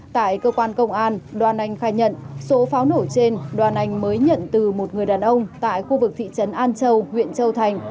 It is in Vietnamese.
tại cơ quan công an đoàn anh khai nhận số pháo nổ trên đoàn anh mới nhận từ một người đàn ông tại khu vực thị trấn an châu huyện châu thành